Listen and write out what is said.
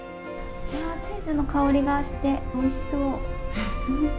チーズの香りがしておいしそう。